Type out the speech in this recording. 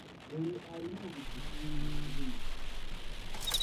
Buli alina obuzibu mwanguyize.